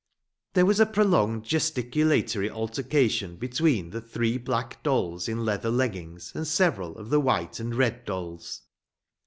There was a prolonged gesticulatory altercation between the three black dolls in leather leggings and several of the white and the red dolls.